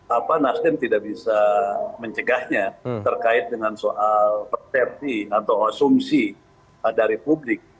apa nasdem tidak bisa mencegahnya terkait dengan soal persepsi atau asumsi dari publik